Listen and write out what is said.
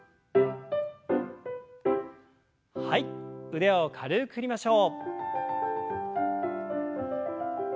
腕を軽く振りましょう。